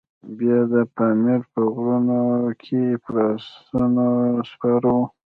بیا د پامیر په غرونو کې پر آسونو سپاره وو.